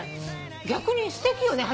逆にすてきよね。